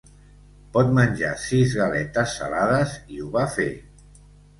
Pot menjar sis galetes salades, i ho va fer.